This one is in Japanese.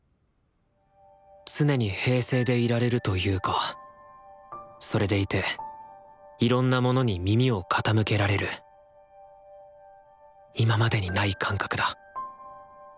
常に平静でいられるというかそれでいていろんなものに耳を傾けられる今までにない感覚だ。